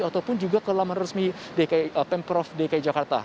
ataupun juga kelaman resmi pemprov dki jakarta